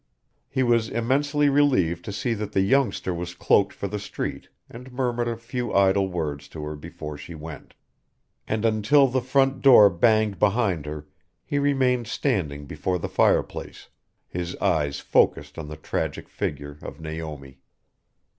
He was immensely relieved to see that the youngster was cloaked for the street and murmured a few idle words to her before she went. And until the front door banged behind her he remained standing before the fireplace, his eyes focused on the tragic figure of Naomi.